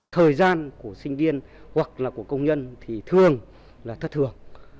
thời gian của sinh viên hoặc là của công nhân thì thường là thất thường